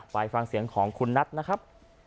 ไปฟังเสียงของคุณนัทนะครับ